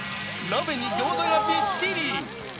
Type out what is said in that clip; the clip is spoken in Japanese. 鍋にギョーザがびっしり。